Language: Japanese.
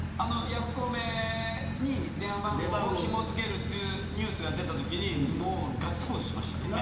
ヤフコメに電話番号をひも付けるというニュースが出たときにガッツポーズしました。